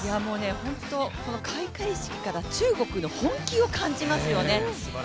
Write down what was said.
本当、開会式から中国の本気を感じますよね。